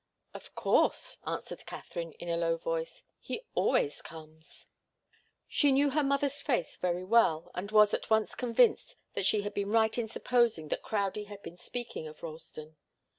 "Of course," answered Katharine, in a low voice. "He always comes." She knew her mother's face very well, and was at once convinced that she had been right in supposing that Crowdie had been speaking of Ralston.